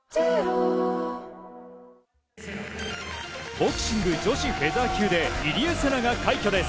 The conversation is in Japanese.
ボクシング女子フェザー級で入江聖奈が快挙です。